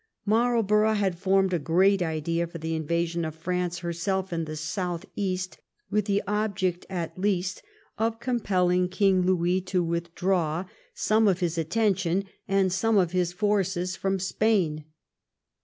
Marlborough had formed a great idea for the inva sion of France herself in the southeast, with the object, at least, of compelling King Louis to withdraw some of his attention and some of his forces from Spain.